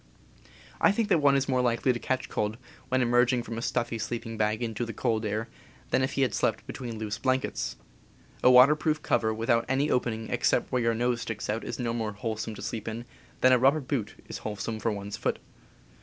I think that one is more likely to catch cold when emerging from a stuffy sleeping bag into the cold air than if he had slept between loose blankets. A water proof cover without any opening except where your nose sticks out is no more wholesome to sleep in than a rubber boot is wholesome for one's foot.